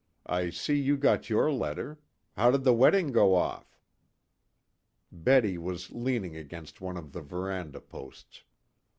I see you got your letter. How did the wedding go off?" Betty was leaning against one of the veranda posts.